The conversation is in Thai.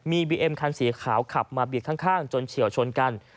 มีบีเอ็มคันสีขาวขับมาเบียดข้างจนเฉียวชนกัน